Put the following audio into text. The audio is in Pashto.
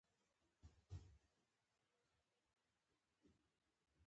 مهدي تاسي ته هیڅ خطر نه پېښوي.